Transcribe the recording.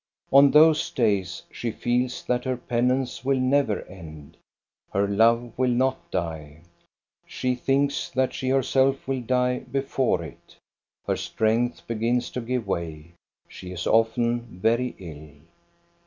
On those days she feels that her penance will never end. Her love will not die. She thinks that she herself will die before it. Her strength begins to give way. She is often very ill.